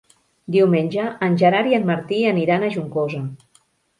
Diumenge en Gerard i en Martí aniran a Juncosa.